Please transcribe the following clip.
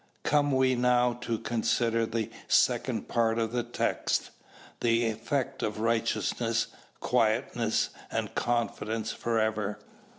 Come we now to consider the second part of the text: "the effect of righteousness, quietness and confidence forever."